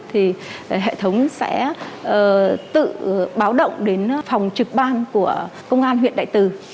thì hệ thống sẽ tự báo động đến phòng trực ban của công an huyện đại từ